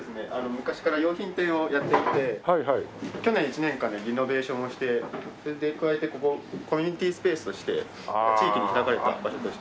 昔から洋品店をやっていて去年一年間でリノベーションをしてそれで加えてここをコミュニティスペースとして地域に開かれた場所として。